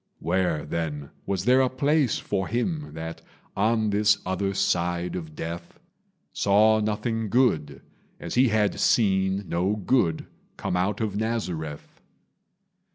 Where, then, was there a place for him That on this other side of death Saw nothing good, as he had seen No good come out of Nazareth?